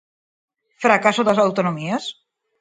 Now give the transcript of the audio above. Fracaso das autonomías?